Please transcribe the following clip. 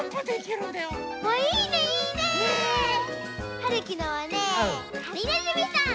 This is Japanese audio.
はるきのはねはりねずみさん。